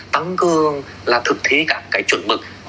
tăng cường là thực thi các cái chuẩn mực